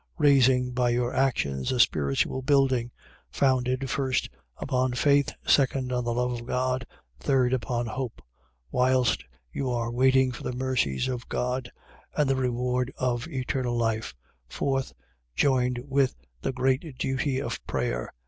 . .Raising by your actions, a spiritual building, founded, 1st, upon faith; 2d, on the love of God; 3d, upon hope, whilst you are waiting for the mercies of God, and the reward of eternal life; 4th, joined with the great duty of prayer.